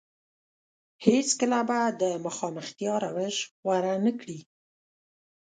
هېڅ کله به د مخامختيا روش غوره نه کړي.